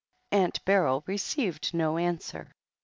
Aunt Beryl received no answer.